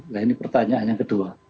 nah ini pertanyaan yang kedua